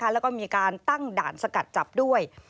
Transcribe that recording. แล้วก็มีการตั้งด่านสกัดจับด้วย